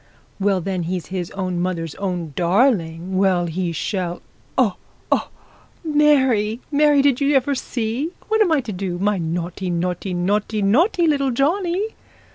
'Well, then, he's his own mother's own darling: well, he shall oh, oh, Mary, Mary did you ever see? What am I to do? My naughty, naughty, naughty little Johnny.'